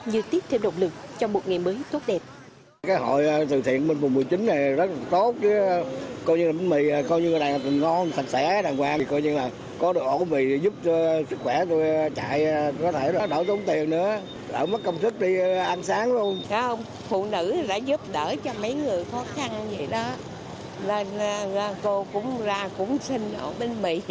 như tiếp thêm động lực cho một ngày mới tốt đẹp